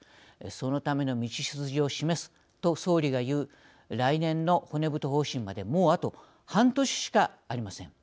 そのための道筋を示すと総理がいう来年の骨太方針まであと半年しかありません。